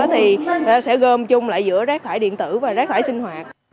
thì sẽ gom chung lại giữa rác thải điện tử và rác thải sinh hoạt